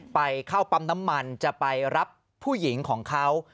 ไปเข้าปั๊มน้ำมันจะไปรับผู้หญิงของเขา